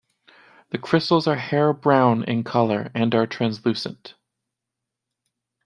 The crystals are hair-brown in color and are translucent.